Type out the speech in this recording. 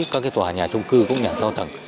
các cái tòa nhà trung cư cũng như nhà cao tầng